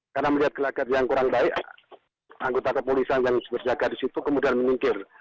karena melihat gelagat yang kurang baik anggota kepolisan yang berjaga di situ kemudian menyingkir